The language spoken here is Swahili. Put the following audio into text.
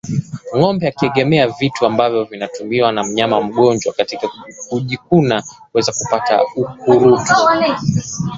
Ngombe akiegemea vitu ambavyo vimetumiwa na mnyama mgonjwa katika kujikuna huweza kupata ukurutu